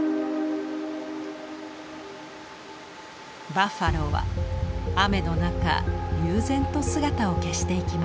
バッファローは雨の中悠然と姿を消していきます。